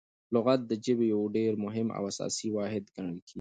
لغت د ژبي یو ډېر مهم او اساسي واحد ګڼل کیږي.